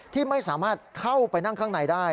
ที่ไม่สามารถเข้าไปนั่งข้างในได้